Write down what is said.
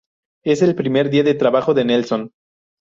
Es el primer día de trabajo de Nelson.